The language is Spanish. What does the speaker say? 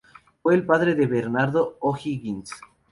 Fue el padre de Bernardo O'Higgins.